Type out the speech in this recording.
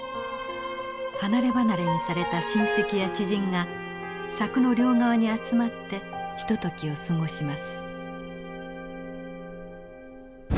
離れ離れにされた親戚や知人が柵の両側に集まってひとときを過ごします。